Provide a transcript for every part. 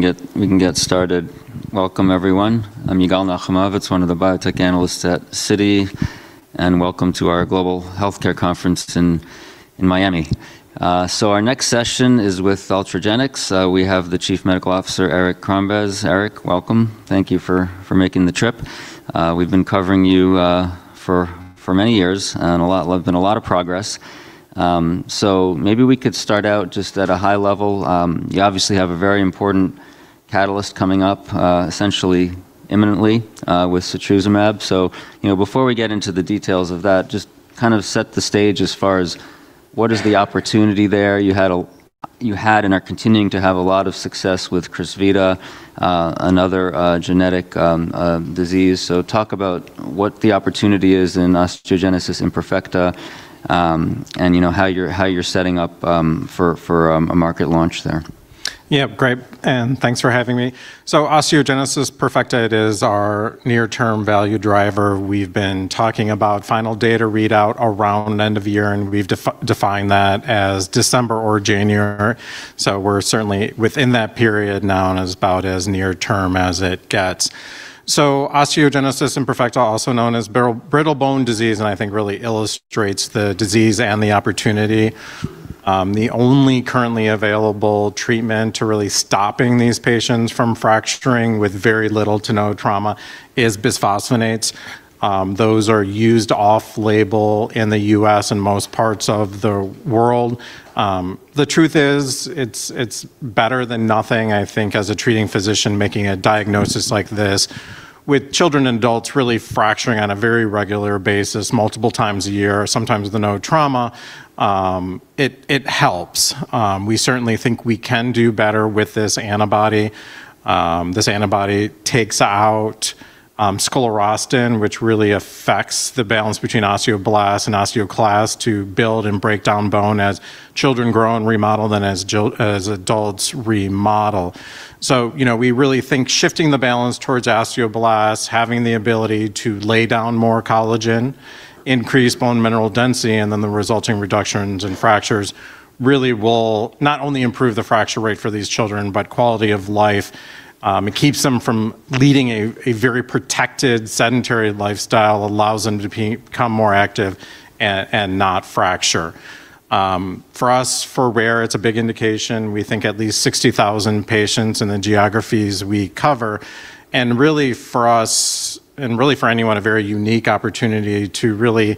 We can get started. Welcome, everyone. I'm Yigal Nochomovitz, one of the biotech analysts at Citi, and welcome to our Global Healthcare Conference in Miami. So our next session is with Ultragenyx. We have the Chief Medical Officer, Eric Crombez. Eric, welcome. Thank you for making the trip. We've been covering you for many years, and there's been a lot of progress. So maybe we could start out just at a high level. You obviously have a very important catalyst coming up, essentially imminently, with setrusumab. So before we get into the details of that, just kind of set the stage as far as what is the opportunity there. You had and are continuing to have a lot of success with Crysvita, another genetic disease. So talk about what the opportunity is in Osteogenesis Imperfecta and how you're setting up for a market launch there. Yeah, great. And thanks for having me. So Osteogenesis Imperfecta is our near-term value driver. We've been talking about final data readout around end of year, and we've defined that as December or January. So we're certainly within that period now, and it's about as near-term as it gets. So Osteogenesis Imperfecta, also known as brittle bone disease, and I think really illustrates the disease and the opportunity. The only currently available treatment to really stopping these patients from fracturing with very little to no trauma is bisphosphonates. Those are used off-label in the U.S. and most parts of the world. The truth is, it's better than nothing, I think, as a treating physician making a diagnosis like this. With children and adults really fracturing on a very regular basis, multiple times a year, sometimes with no trauma, it helps. We certainly think we can do better with this antibody. This antibody takes out sclerostin, which really affects the balance between osteoblasts and osteoclasts to build and break down bone as children grow and remodel, then as adults remodel. So we really think shifting the balance towards osteoblasts, having the ability to lay down more collagen, increase bone mineral density, and then the resulting reductions and fractures really will not only improve the fracture rate for these children, but quality of life. It keeps them from leading a very protected, sedentary lifestyle, allows them to become more active and not fracture. For us, for rare, it's a big indication. We think at least 60,000 patients in the geographies we cover. And really, for us, and really for anyone, a very unique opportunity to really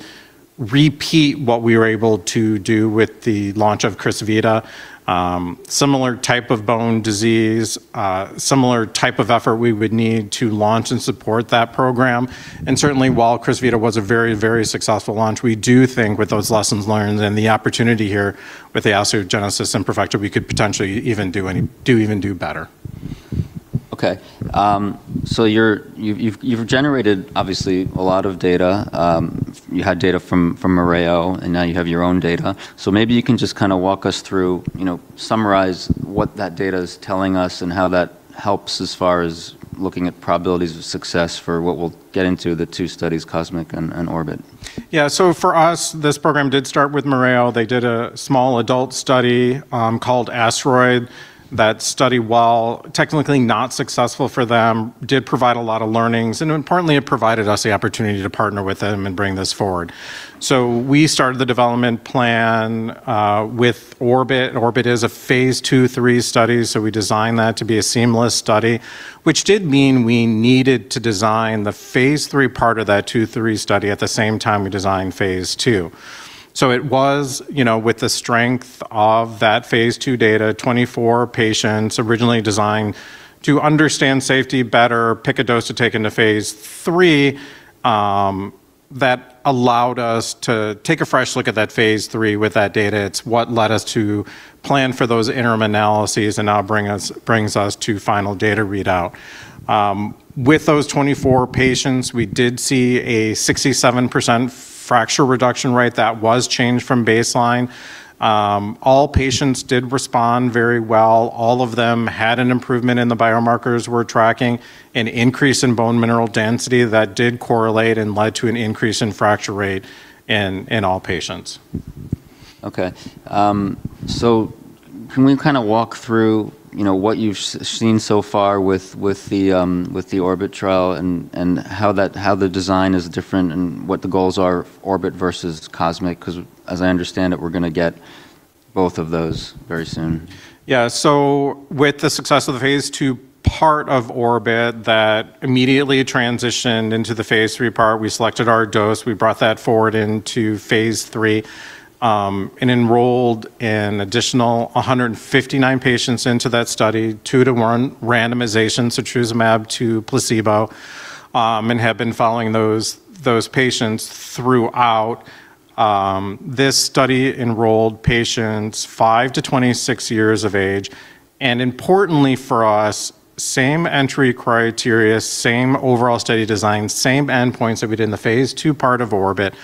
repeat what we were able to do with the launch of Crysvita. Similar type of bone disease, similar type of effort we would need to launch and support that program. And certainly, while Crysvita was a very, very successful launch, we do think with those lessons learned and the opportunity here with the Osteogenesis Imperfecta, we could potentially even do better. Okay. So you've generated, obviously, a lot of data. You had data from Mereo, and now you have your own data. So maybe you can just kind of walk us through, summarize what that data is telling us and how that helps as far as looking at probabilities of success for what we'll get into the two studies, Cosmic and Orbit. Yeah. So for us, this program did start with Mereo. They did a small adult study called ASTEROID. That study, while technically not successful for them, did provide a lot of learnings. And importantly, it provided us the opportunity to partner with them and bring this forward. So we started the development plan with Orbit. Orbit is a phase II/III study. So we designed that to be a seamless study, which did mean we needed to design the phase III part of that II/III study at the same time we designed phase II. So it was with the strength of that phase II data, 24 patients originally designed to understand safety better, pick a dose to take into phase III. That allowed us to take a fresh look at that phase III with that data. It's what led us to plan for those interim analyses and now brings us to final data readout. With those 24 patients, we did see a 67% reduction in fracture rate from baseline. All patients did respond very well. All of them had an improvement in the biomarkers we're tracking, an increase in bone mineral density that did correlate and led to a decrease in fracture rate in all patients. Okay. Can we kind of walk through what you've seen so far with the Orbit trial and how the design is different and what the goals are, Orbit versus Cosmic? Because as I understand it, we're going to get both of those very soon. Yeah. So with the success of the phase II part of Orbit that immediately transitioned into the phase III part, we selected our dose. We brought that forward into phase III and enrolled an additional 159 patients into that study, two-to-one randomization setrusumab to placebo, and have been following those patients throughout. This study enrolled patients five to 26 years of age. And importantly for us, same entry criteria, same overall study design, same endpoints that we did in the phase II part of Orbit.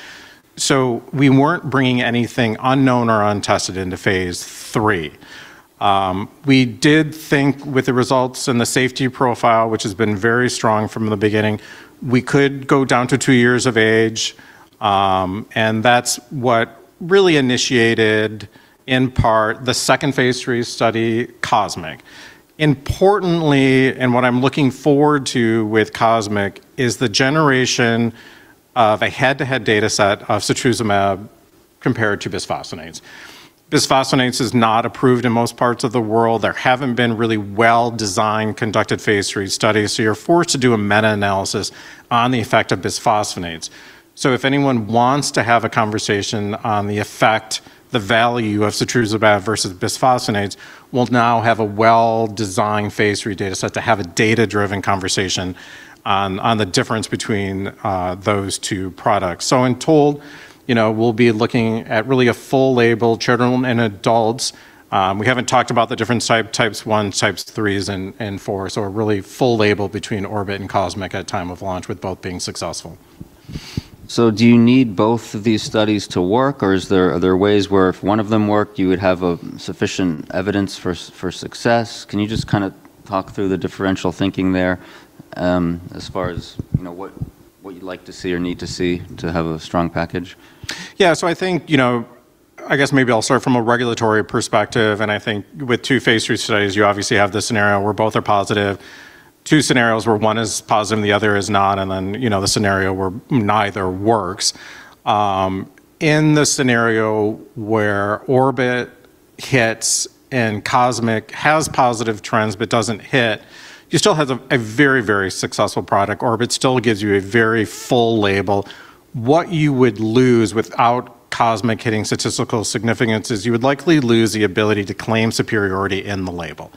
So we weren't bringing anything unknown or untested into phase III. We did think with the results and the safety profile, which has been very strong from the beginning, we could go down to two years of age. And that's what really initiated, in part, the second phase III study, Cosmic. Importantly, and what I'm looking forward to with Cosmic is the generation of a head-to-head data set of setrusumab compared to bisphosphonates. Bisphosphonates is not approved in most parts of the world. There haven't been really well-designed conducted phase III studies. So you're forced to do a meta-analysis on the effect of bisphosphonates. So if anyone wants to have a conversation on the effect, the value of setrusumab versus bisphosphonates, we'll now have a well-designed phase III data set to have a data-driven conversation on the difference between those two products. So in total, we'll be looking at really a full label, children and adults. We haven't talked about the different types, types 1, types 3, and 4. So a really full label between Orbit and Cosmic at time of launch with both being successful. Do you need both of these studies to work, or are there ways where if one of them worked, you would have sufficient evidence for success? Can you just kind of talk through the differential thinking there as far as what you'd like to see or need to see to have a strong package? Yeah. So I think, I guess maybe I'll start from a regulatory perspective. And I think with two phase III studies, you obviously have the scenario where both are positive. Two scenarios where one is positive, the other is not, and then the scenario where neither works. In the scenario where Orbit hits and Cosmic has positive trends but doesn't hit, you still have a very, very successful product. Orbit still gives you a very full label. What you would lose without Cosmic hitting statistical significance is you would likely lose the ability to claim superiority in the label.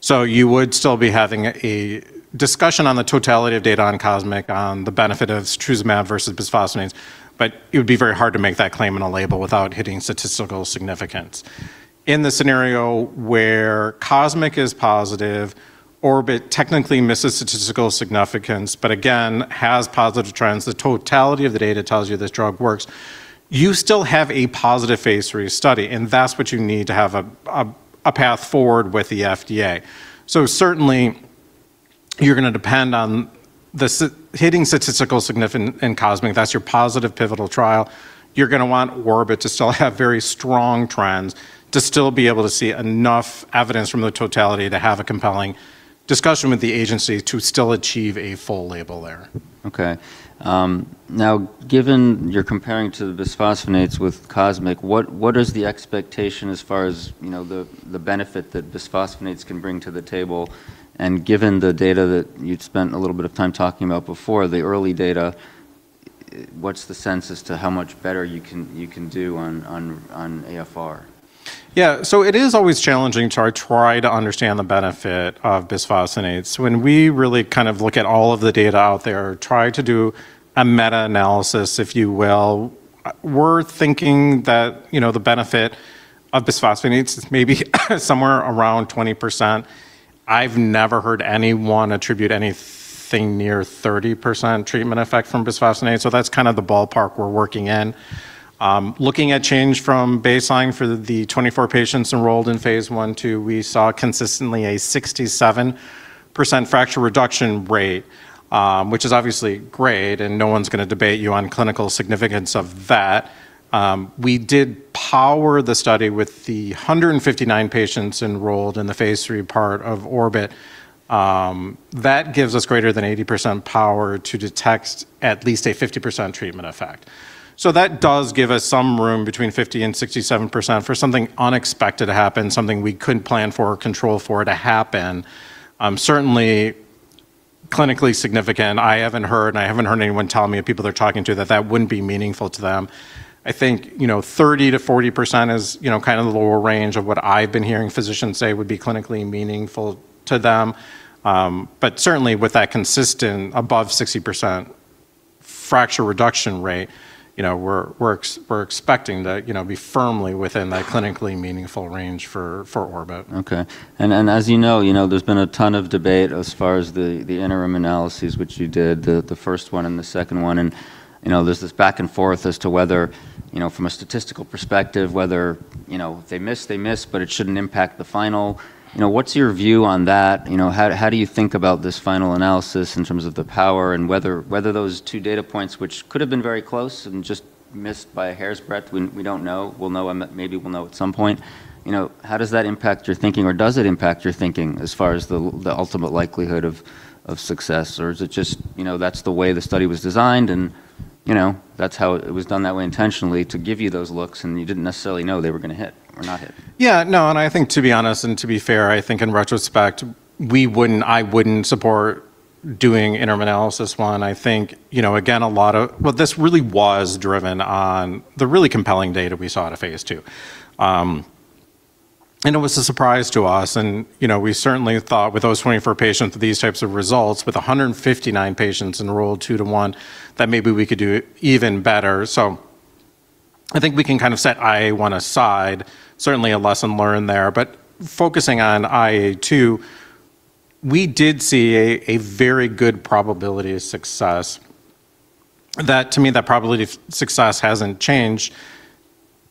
So you would still be having a discussion on the totality of data on Cosmic on the benefit of setrusumab versus bisphosphonates, but it would be very hard to make that claim in a label without hitting statistical significance. In the scenario where Cosmic is positive, Orbit technically misses statistical significance, but again, has positive trends. The totality of the data tells you this drug works. You still have a positive phase III study, and that's what you need to have a path forward with the FDA. So certainly, you're going to depend on hitting statistical significance in Cosmic. That's your positive pivotal trial. You're going to want Orbit to still have very strong trends, to still be able to see enough evidence from the totality to have a compelling discussion with the agency to still achieve a full label there. Okay. Now, given you're comparing to the bisphosphonates with Cosmic, what is the expectation as far as the benefit that bisphosphonates can bring to the table? And given the data that you'd spent a little bit of time talking about before, the early data, what's the sense as to how much better you can do on AFR? Yeah. So it is always challenging to try to understand the benefit of bisphosphonates. When we really kind of look at all of the data out there, try to do a meta-analysis, if you will, we're thinking that the benefit of bisphosphonates is maybe somewhere around 20%. I've never heard anyone attribute anything near 30% treatment effect from bisphosphonates. So that's kind of the ballpark we're working in. Looking at change from baseline for the 24 patients enrolled in phase I/II, we saw consistently a 67% fracture reduction rate, which is obviously great, and no one's going to debate you on clinical significance of that. We did power the study with the 159 patients enrolled in the phase III part of Orbit. That gives us greater than 80% power to detect at least a 50% treatment effect. So that does give us some room between 50% and 67% for something unexpected to happen, something we couldn't plan for or control for to happen. Certainly clinically significant. I haven't heard, and I haven't heard anyone tell me of people they're talking to that that wouldn't be meaningful to them. I think 30%-40% is kind of the lower range of what I've been hearing physicians say would be clinically meaningful to them. But certainly, with that consistent above 60% fracture reduction rate, we're expecting to be firmly within that clinically meaningful range for Orbit. Okay. And as you know, there's been a ton of debate as far as the interim analyses, which you did, the first one and the second one. And there's this back and forth as to whether, from a statistical perspective, whether if they miss, they miss, but it shouldn't impact the final. What's your view on that? How do you think about this final analysis in terms of the power and whether those two data points, which could have been very close and just missed by a hair's breadth, we don't know, maybe we'll know at some point, how does that impact your thinking or does it impact your thinking as far as the ultimate likelihood of success? Or is it just, that's the way the study was designed, and that's how it was done that way intentionally to give you those looks, and you didn't necessarily know they were going to hit or not hit? Yeah. No. And I think, to be honest and to be fair, I think in retrospect, I wouldn't support doing interim analysis one. I think, again, a lot of, well, this really was driven on the really compelling data we saw at a phase II. And it was a surprise to us. And we certainly thought with those 24 patients, these types of results with 159 patients enrolled two to one, that maybe we could do even better. So I think we can kind of set IA1 aside. Certainly, a lesson learned there. But focusing on IA2, we did see a very good probability of success. To me, that probability of success hasn't changed.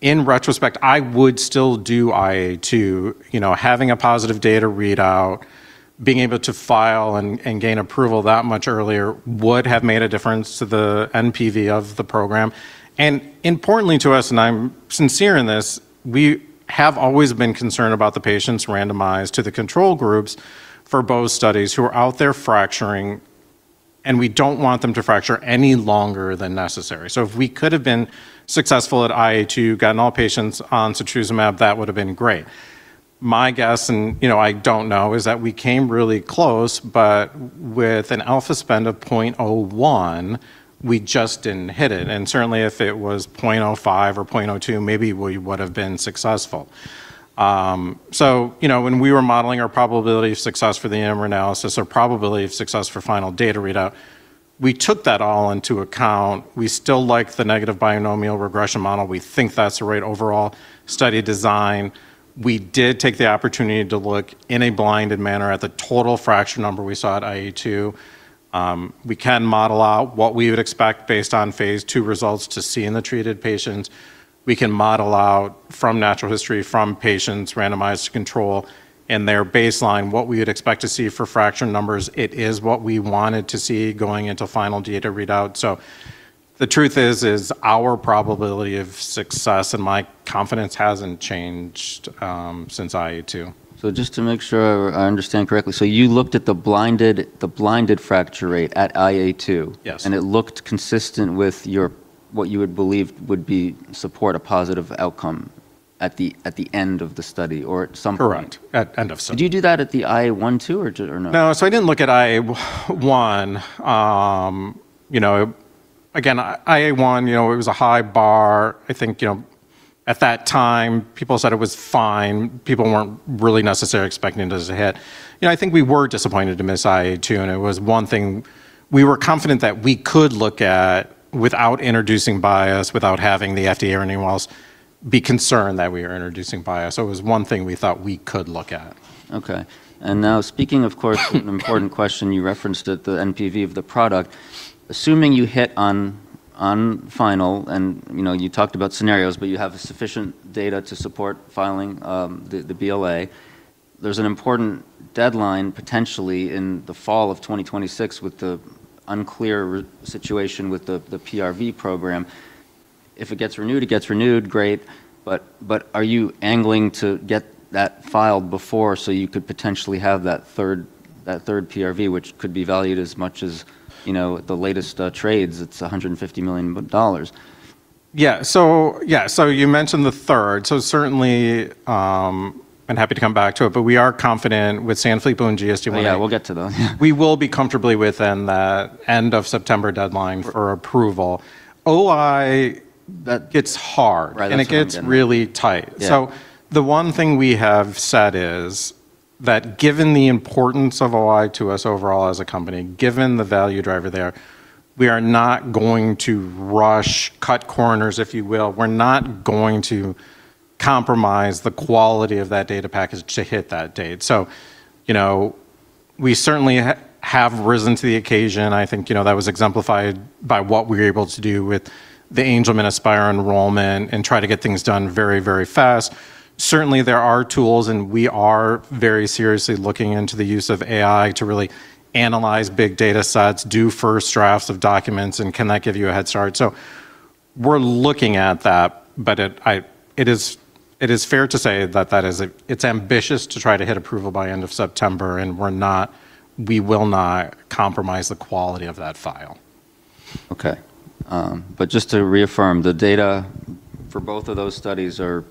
In retrospect, I would still do IA2. Having a positive data readout, being able to file and gain approval that much earlier would have made a difference to the NPV of the program. And importantly to us, and I'm sincere in this, we have always been concerned about the patients randomized to the control groups for both studies who are out there fracturing, and we don't want them to fracture any longer than necessary. So if we could have been successful at IA2, gotten all patients on setrusumab, that would have been great. My guess, and I don't know, is that we came really close, but with an alpha spend of 0.01, we just didn't hit it. And certainly, if it was 0.05 or 0.02, maybe we would have been successful. So when we were modeling our probability of success for the interim analysis, our probability of success for final data readout, we took that all into account. We still like the negative binomial regression model. We think that's the right overall study design. We did take the opportunity to look in a blinded manner at the total fracture number we saw at IA2. We can model out what we would expect based on phase II results to see in the treated patients. We can model out from natural history from patients randomized to control in their baseline what we would expect to see for fracture numbers. It is what we wanted to see going into final data readout. So the truth is our probability of success, and my confidence hasn't changed since IA2. Just to make sure I understand correctly, so you looked at the blinded fracture rate at IA2. Yes. It looked consistent with what you would believe would support a positive outcome at the end of the study or at some point. Correct. At end of study. Did you do that at the IA1 too or no? No. So I didn't look at IA1. Again, IA1, it was a high bar. I think at that time, people said it was fine. People weren't really necessarily expecting it to hit. I think we were disappointed to miss IA2, and it was one thing we were confident that we could look at without introducing bias, without having the FDA or anyone else be concerned that we are introducing bias. So it was one thing we thought we could look at. Okay. And now speaking, of course, an important question, you referenced the NPV of the product. Assuming you hit on final, and you talked about scenarios, but you have sufficient data to support filing the BLA, there's an important deadline potentially in the fall of 2026 with the unclear situation with the PRV program. If it gets renewed, it gets renewed, great. But are you angling to get that filed before so you could potentially have that third PRV, which could be valued as much as the latest trades? It's $150 million. Yeah. So you mentioned the third. So certainly, I'm happy to come back to it, but we are confident with Sanfilippo and GSDIa. Yeah. We'll get to those. We will be comfortably within that end of September deadline for approval. OI, that gets hard. Right. It's hard. It gets really tight. So the one thing we have said is that given the importance of OI to us overall as a company, given the value driver there, we are not going to rush, cut corners, if you will. We're not going to compromise the quality of that data package to hit that date. So we certainly have risen to the occasion. I think that was exemplified by what we were able to do with the Angelman Aspire enrollment and try to get things done very, very fast. Certainly, there are tools, and we are very seriously looking into the use of AI to really analyze big data sets, do first drafts of documents, and can that give you a head start? So we're looking at that, but it is fair to say that it's ambitious to try to hit approval by end of September, and we will not compromise the quality of that file. Okay. But just to reaffirm, the data for both of those studies are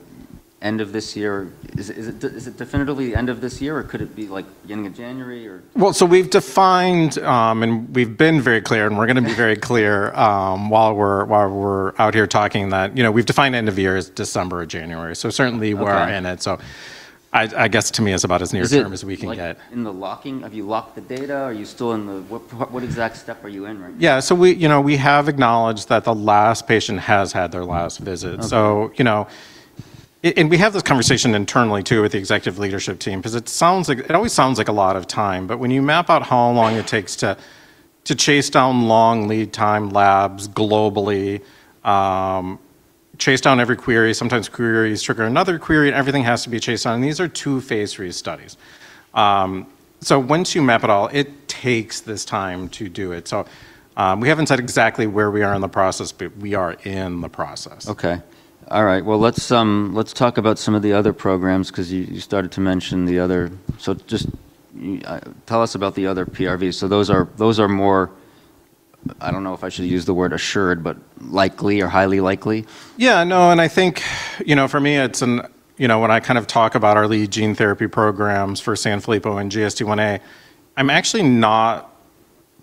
end of this year. Is it definitively end of this year, or could it be like beginning of January or? Well, so we've defined, and we've been very clear, and we're going to be very clear while we're out here talking that we've defined end of year as December or January. So certainly, we're in it. So I guess to me, it's about as near-term as we can get. In the locking, have you locked the data? Are you still in the, what, exact step are you in right now? Yeah. So we have acknowledged that the last patient has had their last visit. And we have this conversation internally too with the executive leadership team because it always sounds like a lot of time. But when you map out how long it takes to chase down long lead time labs globally, chase down every query, sometimes queries trigger another query, and everything has to be chased down. And these are two phase III studies. So once you map it all, it takes this time to do it. So we haven't said exactly where we are in the process, but we are in the process. Okay. All right. Well, let's talk about some of the other programs because you started to mention the other. So just tell us about the other PRVs. So those are more, I don't know if I should use the word assured, but likely or highly likely. Yeah. No. And I think for me, when I kind of talk about our lead gene therapy programs for Sanfilippo and GSDIa, I'm actually not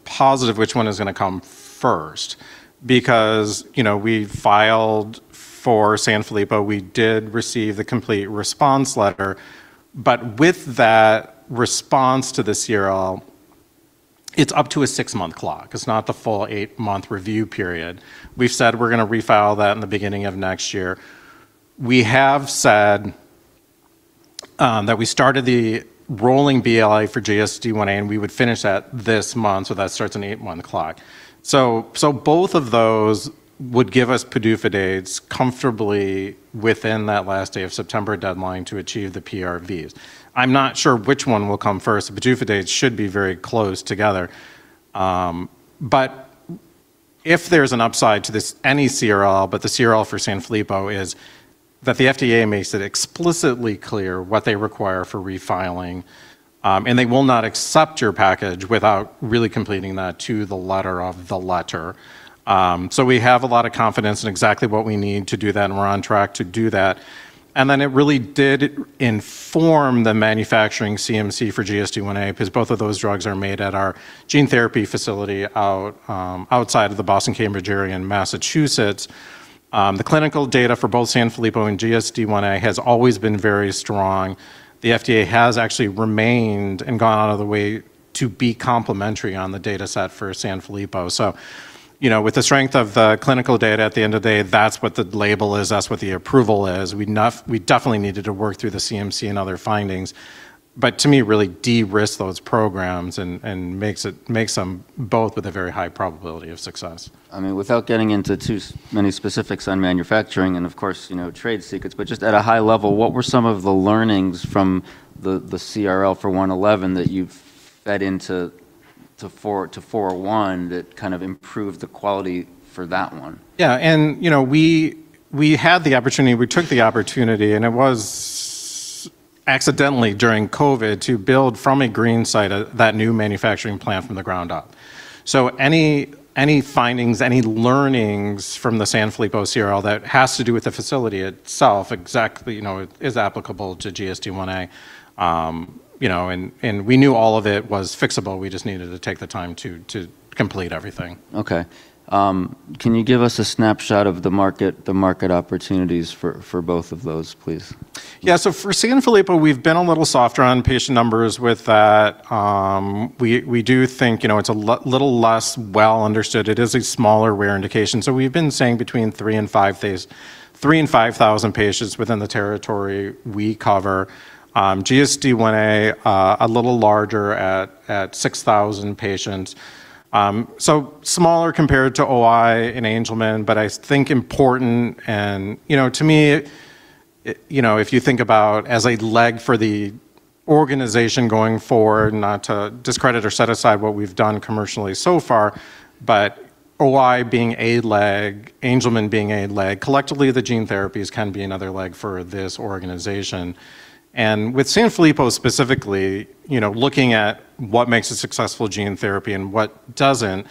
positive which one is going to come first because we filed for Sanfilippo. We did receive the complete response letter. But with that response to the CRL, it's up to a six-month clock. It's not the full eight-month review period. We've said we're going to refile that in the beginning of next year. We have said that we started the rolling BLA for GSDIa, and we would finish that this month. So that starts an eight-month clock. So both of those would give us PDUFA dates comfortably within that last day of September deadline to achieve the PRVs. I'm not sure which one will come first. The PDUFA dates should be very close together. But if there's an upside to this, any CRL, but the CRL for Sanfilippo is that the FDA makes it explicitly clear what they require for refiling, and they will not accept your package without really completing that to the letter of the letter. So we have a lot of confidence in exactly what we need to do that, and we're on track to do that. And then it really did inform the manufacturing CMC for GSDIa because both of those drugs are made at our gene therapy facility outside of the Boston-Cambridge area in Massachusetts. The clinical data for both Sanfilippo and GSDIa has always been very strong. The FDA has actually remained and gone out of the way to be complimentary on the data set for Sanfilippo. So with the strength of the clinical data at the end of the day, that's what the label is. That's what the approval is. We definitely needed to work through the CMC and other findings, but to me, really de-risk those programs and makes them both with a very high probability of success. I mean, without getting into too many specifics on manufacturing and, of course, trade secrets, but just at a high level, what were some of the learnings from the CRL for 111 that you've fed into 401 that kind of improved the quality for that one? Yeah. And we had the opportunity. We took the opportunity, and it was accidentally during COVID to build from a green site that new manufacturing plant from the ground up. So any findings, any learnings from the Sanfilippo CRL that has to do with the facility itself exactly is applicable to GSDIa. And we knew all of it was fixable. We just needed to take the time to complete everything. Okay. Can you give us a snapshot of the market opportunities for both of those, please? Yeah. So for Sanfilippo, we've been a little softer on patient numbers with that. We do think it's a little less well-understood. It is a smaller rare indication. So we've been saying between 3,000 and 5,000 patients within the territory we cover. GSDIa, a little larger at 6,000 patients. So smaller compared to OI and Angelman, but I think important. And to me, if you think about as a leg for the organization going forward, not to discredit or set aside what we've done commercially so far, but OI being a leg, Angelman being a leg, collectively, the gene therapies can be another leg for this organization. And with Sanfilippo specifically, looking at what makes a successful gene therapy and what doesn't,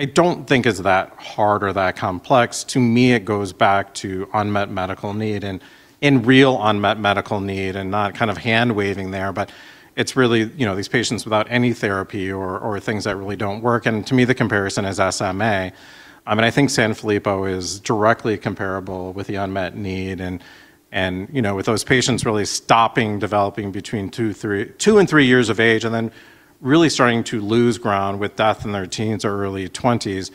I don't think it's that hard or that complex. To me, it goes back to unmet medical need and real unmet medical need and not kind of hand waving there, but it's really these patients without any therapy or things that really don't work, and to me, the comparison is SMA. I mean, I think Sanfilippo is directly comparable with the unmet need and with those patients really stopping developing between two and three years of age and then really starting to lose ground with death in their teens or early 20s,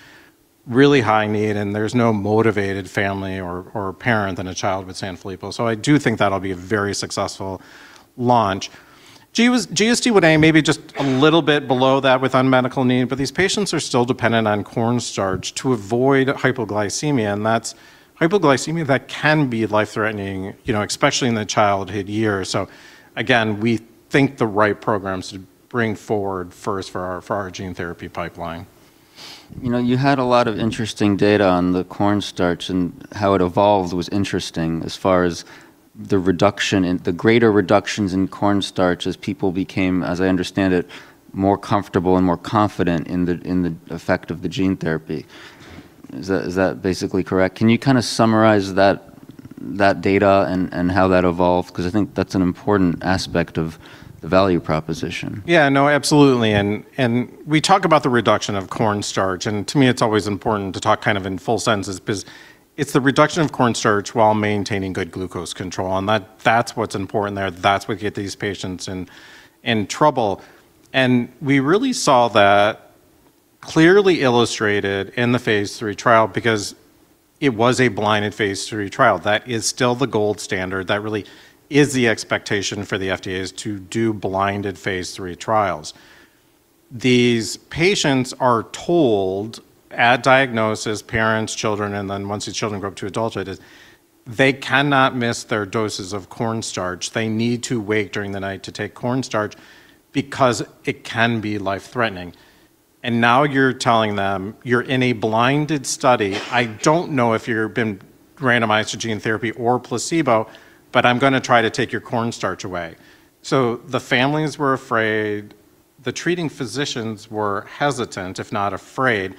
really high need, and there's no motivated family or parent than a child with Sanfilippo, so I do think that'll be a very successful launch. GSDIa may be just a little bit below that with unmet medical need, but these patients are still dependent on cornstarch to avoid hypoglycemia, and that's hypoglycemia that can be life-threatening, especially in the childhood years. So again, we think the right programs to bring forward first for our gene therapy pipeline. You had a lot of interesting data on the cornstarch and how it evolved was interesting as far as the greater reductions in cornstarch as people became, as I understand it, more comfortable and more confident in the effect of the gene therapy. Is that basically correct? Can you kind of summarize that data and how that evolved? Because I think that's an important aspect of the value proposition. Yeah. No, absolutely. And we talk about the reduction of cornstarch, and to me, it's always important to talk kind of in full sentences because it's the reduction of cornstarch while maintaining good glucose control. And that's what's important there. That's what gets these patients in trouble. And we really saw that clearly illustrated in the phase III trial because it was a blinded phase III trial. That is still the gold standard. That really is the expectation for the FDA: to do blinded phase III trials. These patients are told at diagnosis, parents, children, and then once these children grow up to adulthood, they cannot miss their doses of cornstarch. They need to wake during the night to take cornstarch because it can be life-threatening. And now you're telling them you're in a blinded study. I don't know if you've been randomized to gene therapy or placebo, but I'm going to try to take your cornstarch away, so the families were afraid. The treating physicians were hesitant, if not afraid,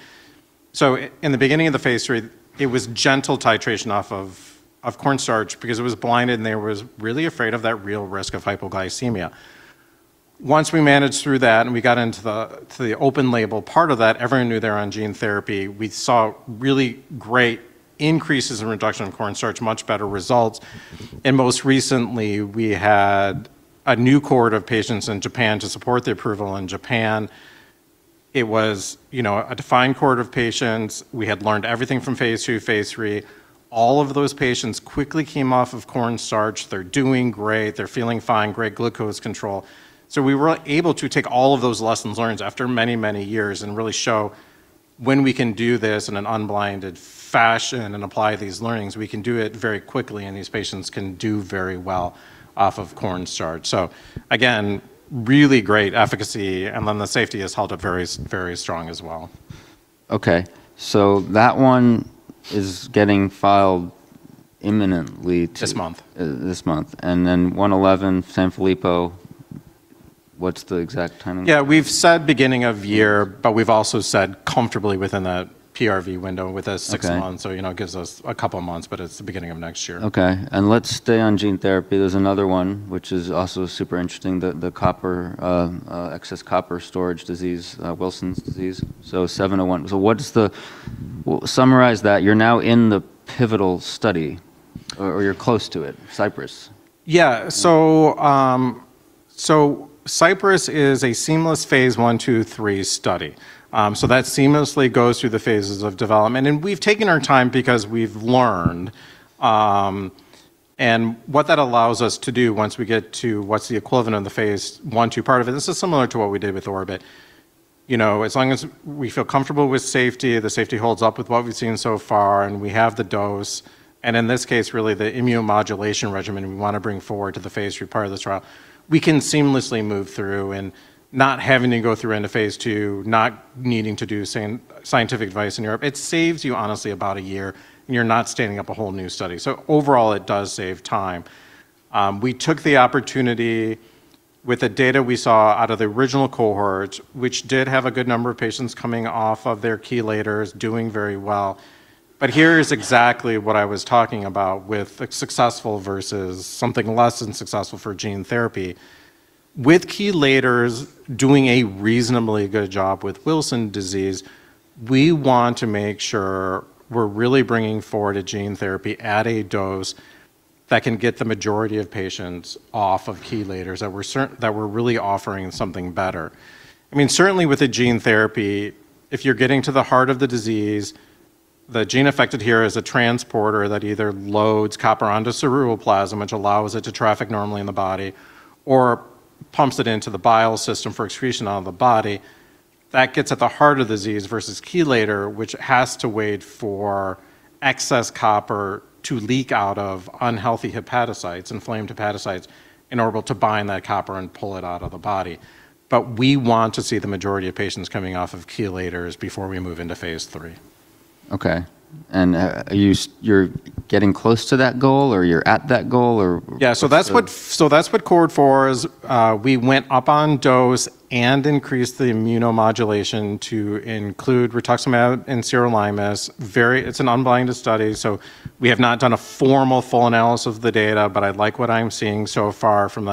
so in the beginning of the phase III, it was gentle titration off of cornstarch because it was blinded, and they were really afraid of that real risk of hypoglycemia. Once we managed through that and we got into the open-label part of that, everyone knew they were on gene therapy. We saw really great increases in reduction of cornstarch, much better results, and most recently, we had a new cohort of patients in Japan to support the approval in Japan. It was a defined cohort of patients. We had learned everything from phase II, phase III. All of those patients quickly came off of cornstarch. They're doing great. They're feeling fine, great glucose control. So we were able to take all of those lessons learned after many, many years and really show when we can do this in an unblinded fashion and apply these learnings, we can do it very quickly, and these patients can do very well off of cornstarch. So again, really great efficacy, and then the safety has held up very, very strong as well. Okay, so that one is getting filed imminently. This month. This month. And then 111, Sanfilippo, what's the exact timing? Yeah. We've said beginning of year, but we've also said comfortably within the PRV window within six months. So it gives us a couple of months, but it's the beginning of next year. Okay. And let's stay on gene therapy. There's another one, which is also super interesting, the excess copper storage disease, Wilson disease. So 701. So summarize that. You're now in the pivotal study or you're close to it, Cyprus. Yeah. So Cyprus is a seamless phase I/II/III study. So that seamlessly goes through the phases of development. And we've taken our time because we've learned. And what that allows us to do once we get to what's the equivalent of the phase I/II part of it, this is similar to what we did with Orbit. As long as we feel comfortable with safety, the safety holds up with what we've seen so far, and we have the dose. And in this case, really the immunomodulation regimen we want to bring forward to the phase III part of this trial, we can seamlessly move through and not having to go through into phase II, not needing to do scientific advice in Europe. It saves you honestly about a year, and you're not standing up a whole new study. So overall, it does save time. We took the opportunity with the data we saw out of the original cohort, which did have a good number of patients coming off of their chelators, doing very well. But here is exactly what I was talking about with successful versus something less than successful for gene therapy. With chelators doing a reasonably good job with Wilson disease, we want to make sure we're really bringing forward a gene therapy at a dose that can get the majority of patients off of chelators, that we're really offering something better. I mean, certainly with a gene therapy, if you're getting to the heart of the disease, the gene affected here is a transporter that either loads copper onto ceruloplasmin, which allows it to traffic normally in the body, or pumps it into the bile system for excretion out of the body. That gets at the heart of the disease versus chelators, which has to wait for excess copper to leak out of unhealthy hepatocytes, inflamed hepatocytes, in order to bind that copper and pull it out of the body. But we want to see the majority of patients coming off of chelators before we move into phase III. Okay. And you're getting close to that goal or you're at that goal or? Yeah. So that's what Cohort 4 is. We went up on dose and increased the immunomodulation to include rituximab and sirolimus. It's an unblinded study. So we have not done a formal full analysis of the data, but I like what I'm seeing so far from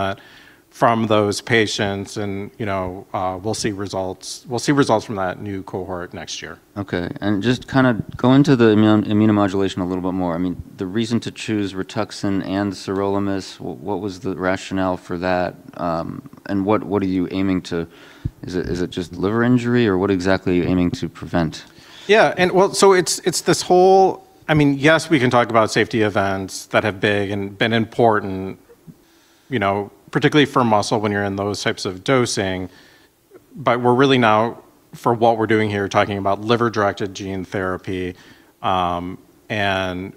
those patients. And we'll see results from that new cohort next year. Okay. And just kind of go into the immunomodulation a little bit more. I mean, the reason to choose rituximab and sirolimus, what was the rationale for that? And what are you aiming to? Is it just liver injury or what exactly are you aiming to prevent? Yeah. And so it's this whole, I mean, yes, we can talk about safety events that have been important particularly for muscle when you're in those types of dosing. But we're really now, for what we're doing here, talking about liver-directed gene therapy. And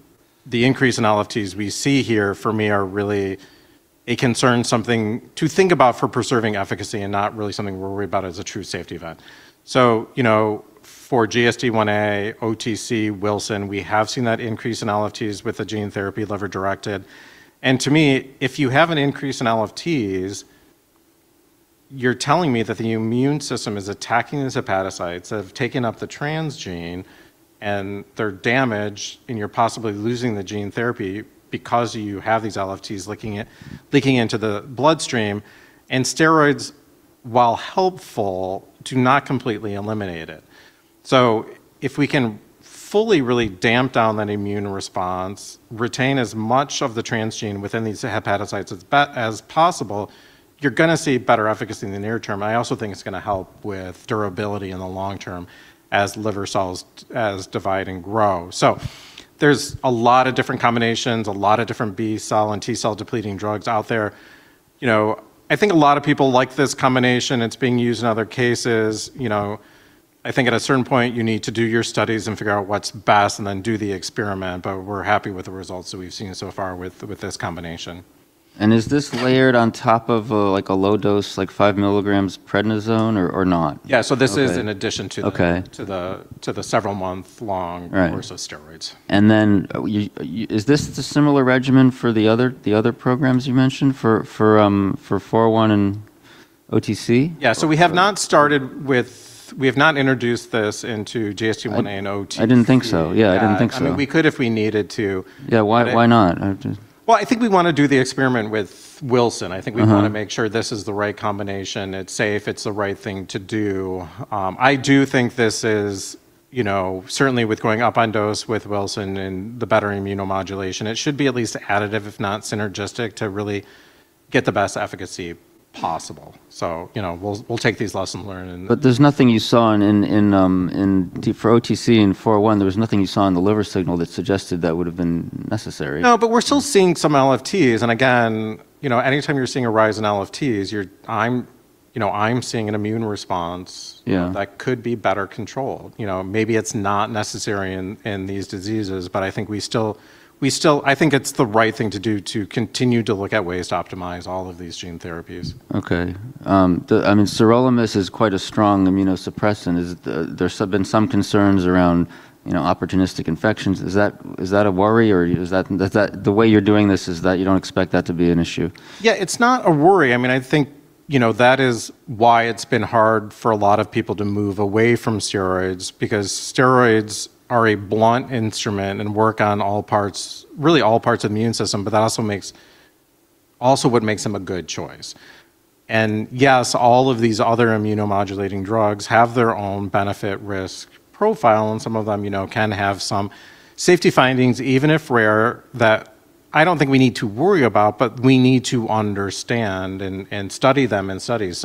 the increase in LFTs we see here, for me, are really a concern, something to think about for preserving efficacy and not really something we're worried about as a true safety event. So for GSDIa, OTC, Wilson, we have seen that increase in LFTs with the gene therapy liver-directed. And to me, if you have an increase in LFTs, you're telling me that the immune system is attacking these hepatocytes that have taken up the transgene and they're damaged, and you're possibly losing the gene therapy because you have these LFTs leaking into the bloodstream. And steroids, while helpful, do not completely eliminate it. So if we can fully really damp down that immune response, retain as much of the transgene within these hepatocytes as possible, you're going to see better efficacy in the near-term. I also think it's going to help with durability in the long-term as liver cells divide and grow. So there's a lot of different combinations, a lot of different B-cell and T-cell depleting drugs out there. I think a lot of people like this combination. It's being used in other cases. I think at a certain point, you need to do your studies and figure out what's best and then do the experiment. But we're happy with the results that we've seen so far with this combination. Is this layered on top of a low dose, like 5 mg prednisone or not? Yeah. So this is in addition to the several-month-long course of steroids. And then is this the similar regimen for the other programs you mentioned for 401 and OTC? Yeah, so we have not introduced this into GSDIa and OTC. I didn't think so. Yeah, I didn't think so. I mean, we could if we needed to. Yeah, why not? I think we want to do the experiment with Wilson. I think we want to make sure this is the right combination. It's safe. It's the right thing to do. I do think this is certainly worth going up on dose with Wilson and the better immunomodulation, it should be at least additive, if not synergistic, to really get the best efficacy possible. We'll take these lessons learned. But there's nothing you saw for OTC and 401, there was nothing you saw in the liver signal that suggested that would have been necessary. No, but we're still seeing some LFTs, and again, anytime you're seeing a rise in LFTs, I'm seeing an immune response that could be better controlled. Maybe it's not necessary in these diseases, but I think it's the right thing to do to continue to look at ways to optimize all of these gene therapies. Okay. I mean, sirolimus is quite a strong immunosuppressant. There's been some concerns around opportunistic infections. Is that a worry or is that the way you're doing this is that you don't expect that to be an issue? Yeah, it's not a worry. I mean, I think that is why it's been hard for a lot of people to move away from steroids because steroids are a blunt instrument and work on really all parts of the immune system, but that also makes them a good choice. And yes, all of these other immunomodulating drugs have their own benefit-risk profile, and some of them can have some safety findings, even if rare, that I don't think we need to worry about, but we need to understand and study them in studies.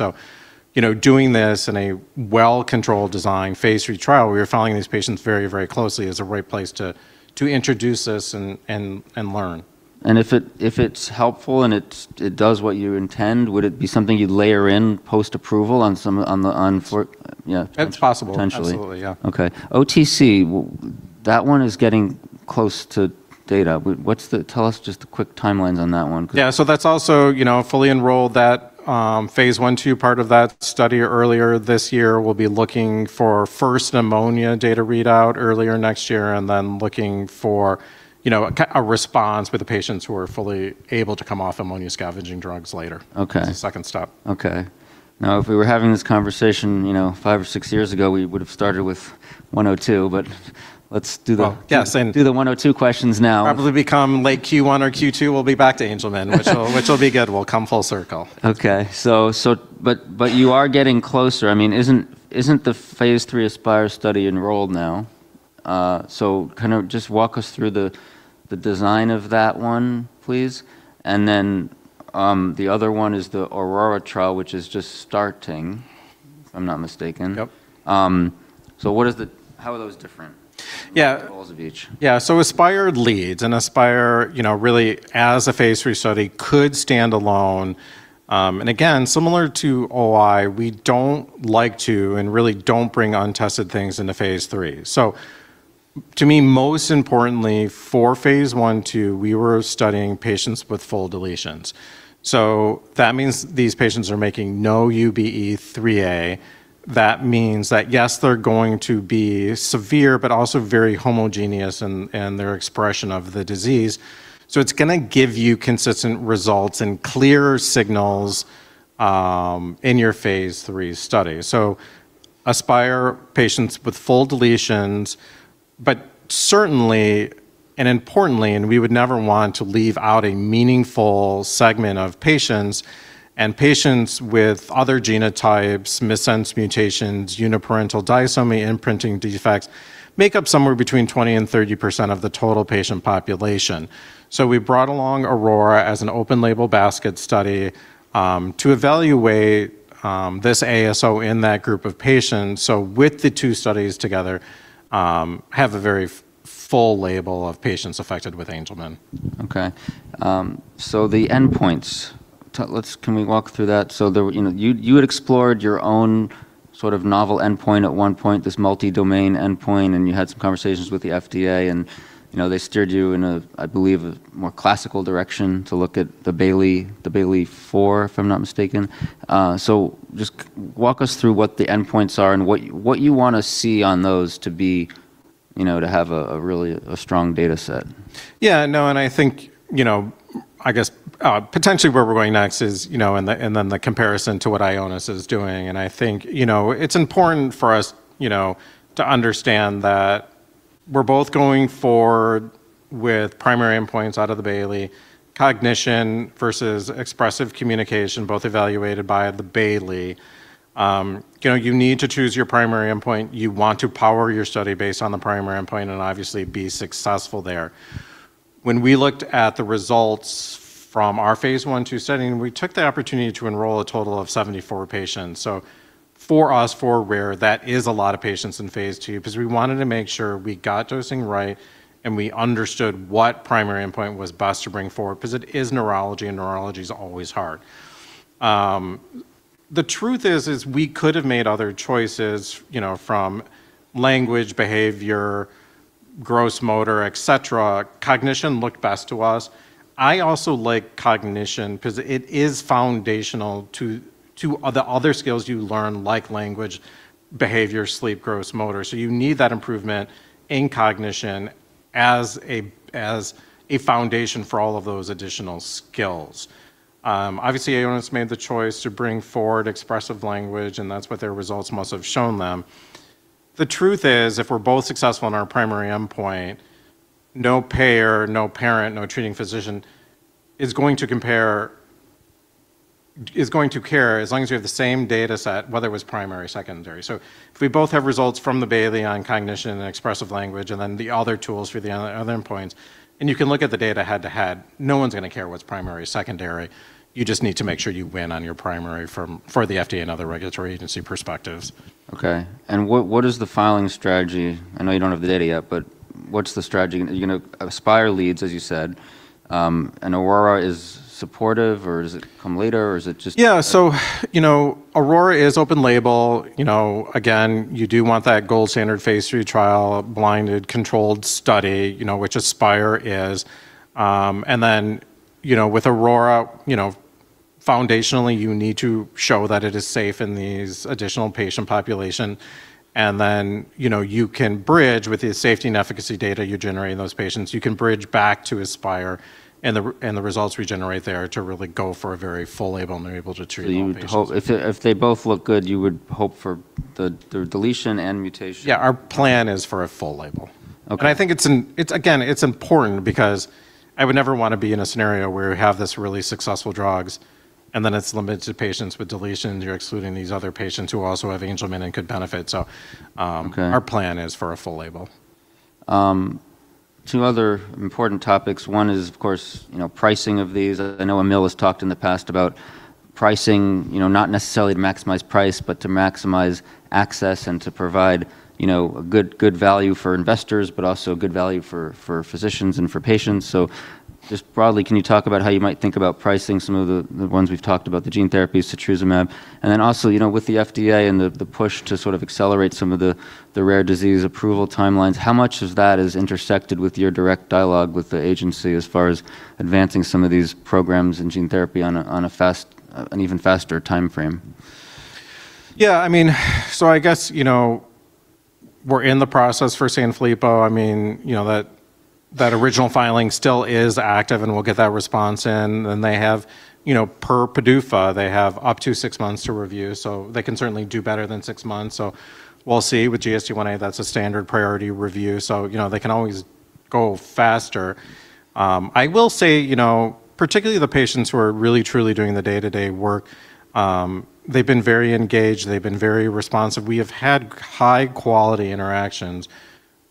So doing this in a well-controlled design phase III trial where you're following these patients very, very closely is a right place to introduce this and learn. And if it's helpful and it does what you intend, would it be something you'd layer in post-approval on some? It's possible. Potentially. Absolutely. Yeah. Okay. OTC, that one is getting close to data. Tell us just the quick timelines on that one. Yeah. So that's also fully enrolled, that phase I/II part of that study earlier this year. We'll be looking for first ammonia data readout earlier next year and then looking for a response with the patients who are fully able to come off ammonia scavenging drugs later. It's the second step. Okay. Now, if we were having this conversation five or six years ago, we would have started with 102, but let's do the 102 questions now. Probably become late Q1 or Q2. We'll be back to Angelman, which will be good. We'll come full circle. Okay. But you are getting closer. I mean, isn't the phase III Aspire study enrolled now? So kind of just walk us through the design of that one, please. And then the other one is the Aurora trial, which is just starting, if I'm not mistaken. Yep. So how are those different? Yeah. Goals of each? Yeah. So Aspire leads, and Aspire really as a phase III study could stand alone. And again, similar to OI, we don't like to and really don't bring untested things into phase III. So to me, most importantly for phase I, II, we were studying patients with full deletions. So that means these patients are making no UBE3A. That means that yes, they're going to be severe, but also very homogeneous in their expression of the disease. So it's going to give you consistent results and clear signals in your phase III study. So Aspire patients with full deletions, but certainly and importantly, and we would never want to leave out a meaningful segment of patients. And patients with other genotypes, missense mutations, uniparental disomy, imprinting defects make up somewhere between 20% and 30% of the total patient population. So we brought along Aurora as an open-label basket study to evaluate this AS in that group of patients. So with the two studies together, have a very full label of patients affected with Angelman. Okay. So the endpoints, can we walk through that? So you had explored your own sort of novel endpoint at one point, this multi-domain endpoint, and you had some conversations with the FDA, and they steered you in, I believe, a more classical direction to look at the Bayley-4, if I'm not mistaken. So just walk us through what the endpoints are and what you want to see on those to have a really strong data set. Yeah. No, and I think, I guess potentially where we're going next is and then the comparison to what Ionis is doing. And I think it's important for us to understand that we're both going forward with primary endpoints out of the Bayley, cognition versus expressive communication, both evaluated by the Bayley. You need to choose your primary endpoint. You want to power your study based on the primary endpoint and obviously be successful there. When we looked at the results from our phase I/II study, we took the opportunity to enroll a total of 74 patients. So for us, for rare, that is a lot of patients in phase II because we wanted to make sure we got dosing right and we understood what primary endpoint was best to bring forward because it is neurology and neurology is always hard. The truth is we could have made other choices from language, behavior, gross motor, etc. Cognition looked best to us. I also like cognition because it is foundational to the other skills you learn, like language, behavior, sleep, gross motor. So you need that improvement in cognition as a foundation for all of those additional skills. Obviously, Ionis made the choice to bring forward expressive language, and that's what their results must have shown them. The truth is if we're both successful in our primary endpoint, no payer, no parent, no treating physician is going to care, as long as we have the same data set, whether it was primary, secondary. So if we both have results from the Bayley on cognition and expressive language and then the other tools for the other endpoints, and you can look at the data head to head, no one's going to care what's primary, secondary. You just need to make sure you win on your primary for the FDA and other regulatory agency perspectives. Okay. And what is the filing strategy? I know you don't have the data yet, but what's the strategy? Aspire leads, as you said. And Aurora is supportive or does it come later or is it just? Yeah. So Aurora is open-label. Again, you do want that gold standard phase III trial, blinded controlled study, which Aspire is. And then with Aurora, foundationally, you need to show that it is safe in these additional patient population. And then you can bridge with the safety and efficacy data you generate in those patients. You can bridge back to Aspire, and the results we generate there to really go for a very full label and able to treat all patients. So if they both look good, you would hope for the deletion and mutation? Yeah. Our plan is for a full label. And I think, again, it's important because I would never want to be in a scenario where we have this really successful drugs and then it's limited to patients with deletions. You're excluding these other patients who also have Angelman and could benefit. So our plan is for a full label. Two other important topics. One is, of course, pricing of these. I know Emil has talked in the past about pricing, not necessarily to maximize price, but to maximize access and to provide good value for investors, but also good value for physicians and for patients. So just broadly, can you talk about how you might think about pricing some of the ones we've talked about, the gene therapies, setrusumab? And then also with the FDA and the push to sort of accelerate some of the rare disease approval timelines, how much of that is intersected with your direct dialogue with the agency as far as advancing some of these programs and gene therapy on an even faster timeframe? Yeah. I mean, so I guess we're in the process for Sanfilippo. I mean, that original filing still is active and we'll get that response in. And then they have, per PDUFA, up to six months to review. They can certainly do better than six months. We'll see. With GSDIa, that's a standard priority review. They can always go faster. I will say, particularly the patients who are really, truly doing the day-to-day work, they've been very engaged. They've been very responsive. We have had high-quality interactions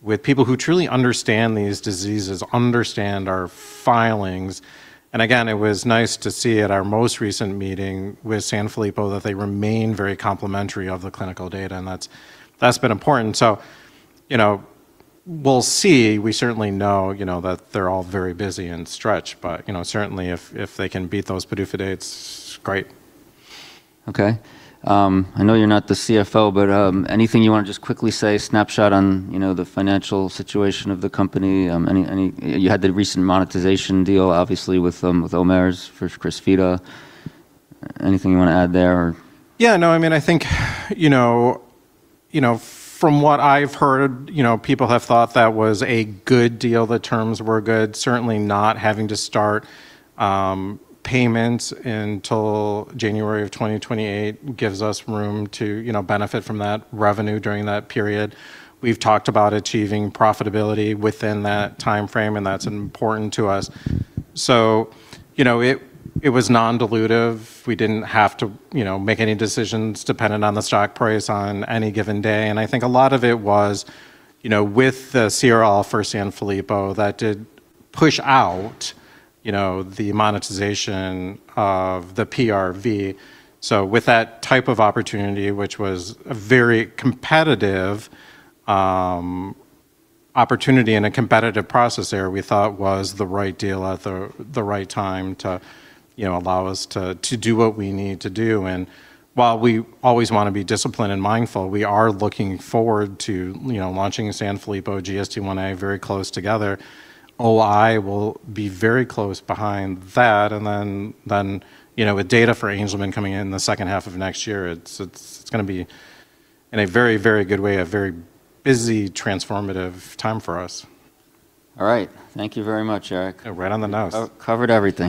with people who truly understand these diseases, understand our filings. And again, it was nice to see at our most recent meeting with Sanfilippo that they remain very complimentary of the clinical data, and that's been important. We'll see. We certainly know that they're all very busy and stretched, but certainly if they can beat those PDUFA dates, great. Okay. I know you're not the CFO, but anything you want to just quickly say, snapshot on the financial situation of the company? You had the recent monetization deal, obviously, with OMERS for Crysvita. Anything you want to add there? Yeah. No, I mean, I think from what I've heard, people have thought that was a good deal. The terms were good. Certainly, not having to start payments until January of 2028 gives us room to benefit from that revenue during that period. We've talked about achieving profitability within that timeframe, and that's important to us. So it was non-dilutive. We didn't have to make any decisions dependent on the stock price on any given day. And I think a lot of it was with the CRL for Sanfilippo that did push out the monetization of the PRV. So with that type of opportunity, which was a very competitive opportunity and a competitive process there, we thought was the right deal at the right time to allow us to do what we need to do. While we always want to be disciplined and mindful, we are looking forward to launching Sanfilippo, GSDIa very close together. OI will be very close behind that. And then with data for Angelman coming in the second half of next year, it's going to be, in a very, very good way, a very busy, transformative time for us. All right. Thank you very much, Eric. Right on the nose. Covered everything.